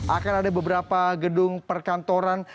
akan ada beberapa gedung perkantoran